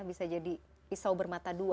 bisa jadi pisau bermata dua